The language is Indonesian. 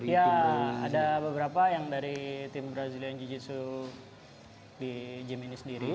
ya ada beberapa yang dari tim brazilian jiu jitsu di gym ini sendiri